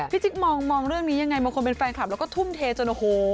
จิ๊กมองเรื่องนี้ยังไงบางคนเป็นแฟนคลับแล้วก็ทุ่มเทจนโอ้โห